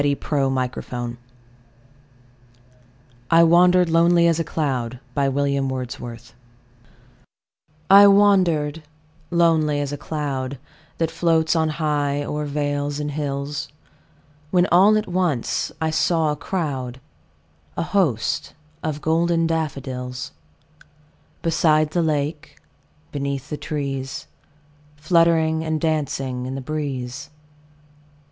William Wordsworth I Wandered Lonely As a Cloud I WANDERED lonely as a cloud That floats on high o'er vales and hills, When all at once I saw a crowd, A host, of golden daffodils; Beside the lake, beneath the trees, Fluttering and dancing in the breeze.